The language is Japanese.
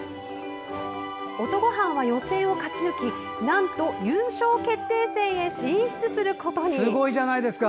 音ごはんは、予選を勝ち抜きなんと優勝決定戦へ進出することに。